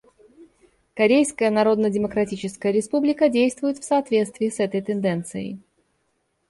Корейская Народно-Демократическая Республика действует в соответствии с этой тенденцией.